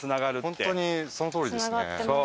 本当にそのとおりでしたね。